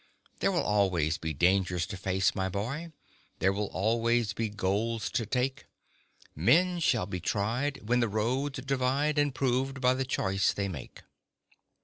There will always be dangers to face, my boy; There will always be goals to take; Men shall be tried, when the roads divide, And proved by the choice they make.